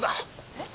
えっ？